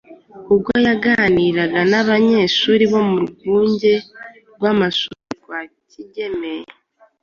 Ubwo yaganiraga n’abanyeshuri bo mu rwunge rw’amashuri rwa Kigeme